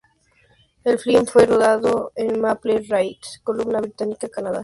El film fue rodado en Maple Ridge, Columbia Británica, Canadá.